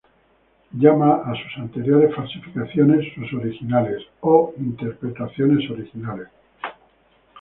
Él llama a sus anteriores falsificaciones "sus originales" o "interpretaciones originales".